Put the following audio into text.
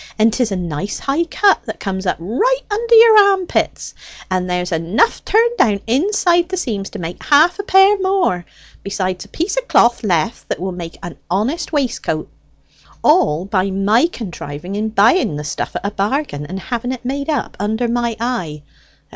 And 'tis a nice high cut that comes up right under your armpits, and there's enough turned down inside the seams to make half a pair more, besides a piece of cloth left that will make an honest waistcoat all by my contriving in buying the stuff at a bargain, and having it made up under my eye.